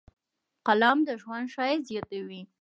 قلم د ژوند ښایست زیاتوي